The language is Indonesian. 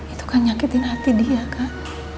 itu kan nyakitin hati dia kan